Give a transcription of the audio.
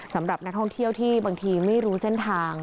สำหรับนักท่องเที่ยวที่บางทีไม่รู้เส้นทาง